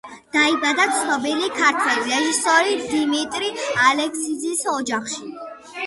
დაიბადა ცნობილი ქართველი რეჟისორი დიმიტრი ალექსიძის ოჯახში.